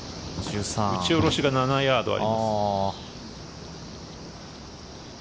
打ち下ろしが７ヤードあります。